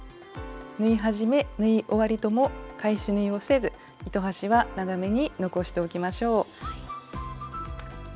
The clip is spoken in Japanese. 縫い始め縫い終わりとも返し縫いをせず糸端は長めに残しておきましょう。